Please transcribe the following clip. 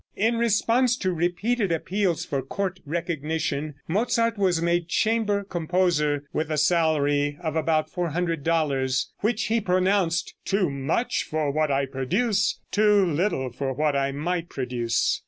In response to repeated appeals for court recognition, Mozart was made chamber composer, with a salary of about $400, which he pronounced, "Too much for what I produce; too little for what I might produce."